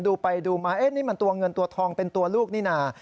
ดูไปดูมานี่มันตัวเงินตัวทองเป็นตัวลูกนี่นะ